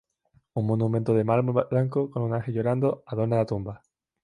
Un monumento de mármol blanco con un ángel llorando adorna la tumba.